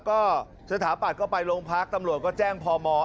ก็สถาปัตย์ก็ไปโรงพักตำรวจก็แจ้งพม